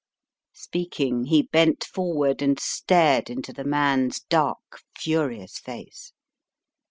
Speaking he bent forward and stared into the man's dark, furious face.